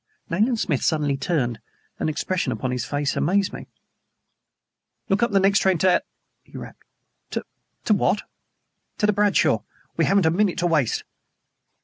Nayland Smith suddenly turned, and the expression upon his face amazed me. "Look up the next train to L !" he rapped. "To L ? What ?" "There's the Bradshaw. We haven't a minute to waste."